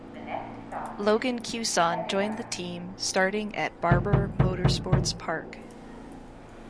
Logan Cusson joined the team starting at Barber Motorsports Park.